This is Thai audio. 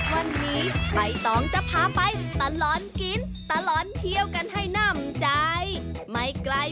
วันนี้ใส่ตองจะพาไปตะหลอนกินตะหลอนเที่ยวกันให้น่ำใจ